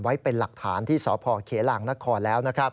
ไว้เป็นหลักฐานที่สพเขลางนครแล้ว